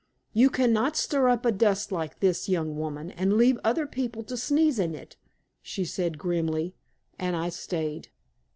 "You can not stir up a dust like this, young woman, and leave other people to sneeze in it," she said grimly. And I stayed.